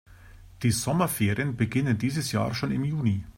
Die Sommerferien beginnen dieses Jahr schon im Juni.